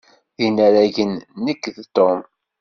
D inaragen nekk d Tom.